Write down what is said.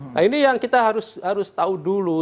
nah ini yang kita harus tahu dulu